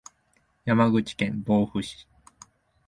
山口県防府市